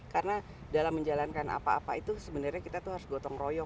karena dalam menjalankan apa apa itu sebenarnya kita itu harus gotong royong